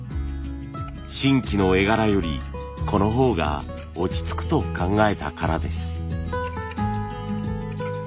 新規の絵柄よりこのほうが落ち着くと考えたからです。